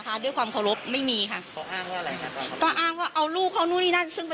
ไปพร้อมกับตำรวจสอนอนตะลิงฉันนั่นแหละ